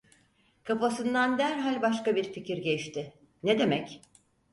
Kafasından derhal başka bir fikir geçti: "Ne demek?"